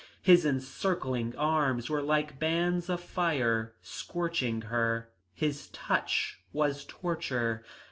His encircling arms were like bands of fire, scorching her. His touch was torture.